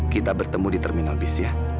kita bertemu di terminal bis ya